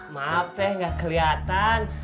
maaf teh gak keliatan